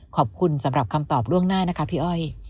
ขอบคุณสำหรับคำตอบล่วงหน้านะคะพี่อ้อย